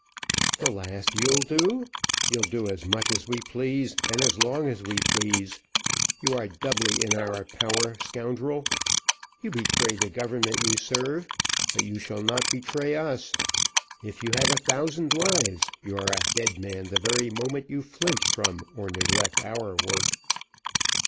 "The last you'll do; you'll do as much as we please, and as long as we please. You are doubly in our power, scoundrel! You betray the government you serve, but you shall not betray us. If you had a thousand lives, you are a dead man the very moment you flinch from or neglect our work.